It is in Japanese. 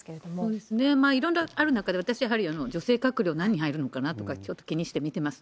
そうですね、いろいろある中で私はやはり女性閣僚、何人入るのかなとか、ちょっと気にしてみてます。